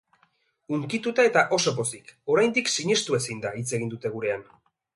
Hunkituta eta oso pozik, oraindik sinestu ezinda, hitz egin dute gurean.